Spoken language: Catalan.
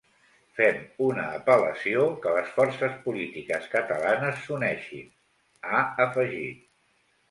Fem una apel·lació que les forces polítiques catalanes s’uneixin, ha afegit.